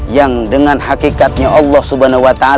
yang dengan hakikatnya allah swt telah dapatkan